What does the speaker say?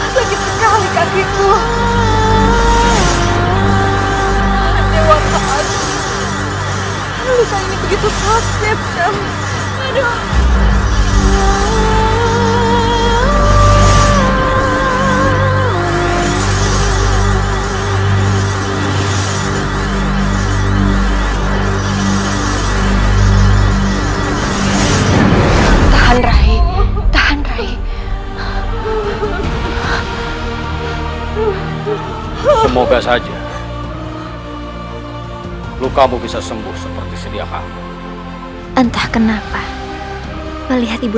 kalau kalian sudah hati hati